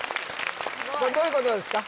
これどういうことですか？